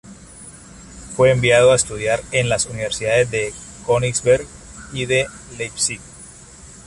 Fue enviado a estudiar en las universidades de Königsberg y de Leipzig.